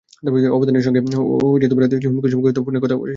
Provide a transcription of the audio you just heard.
আবেদনের সঙ্গে তিনি হুমকি-সম্পর্কিত মোবাইল ফোনের কথোপকথন সিডি আকারে জমা দেন।